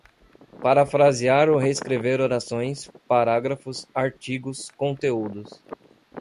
Parafrasear ou reescrever orações, parágrafos, artigos, conteúdos